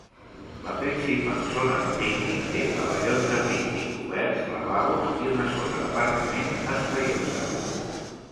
La principal zona de pícnic té pavellons de pícnic coberts, lavabos, u una zona d'aparcament espaiosa.